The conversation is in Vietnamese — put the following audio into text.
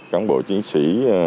cán bộ chiến sĩ